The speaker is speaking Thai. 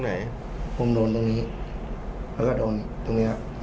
ห้ามกันครับผม